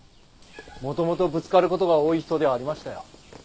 元々ぶつかる事が多い人ではありましたよ。